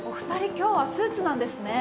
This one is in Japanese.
今日はスーツなんですね。